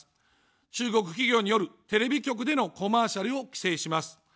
中国企業によるテレビ局でのコマーシャルを規制します。